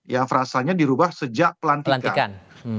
yang frasanya dirubah sejak pelantikan